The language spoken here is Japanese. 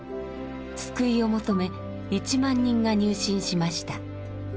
救いを求め１万人が入信しました。